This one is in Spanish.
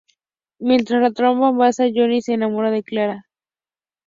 Mientras la trama avanza, Johnny se enamora de Clara.